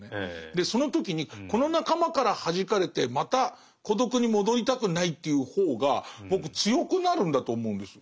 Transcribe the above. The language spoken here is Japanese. でその時にこの仲間からはじかれてまた孤独に戻りたくないっていう方が僕強くなるんだと思うんです。